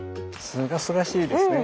すがすがしいですね！